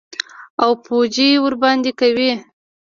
او پوجي ورباندي کوي.